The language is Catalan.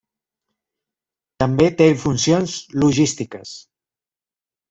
També té funcions logístiques.